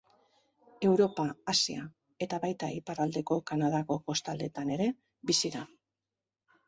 Europa, Asia eta, baita iparraldeko Kanadako kostaldetan ere, bizi da.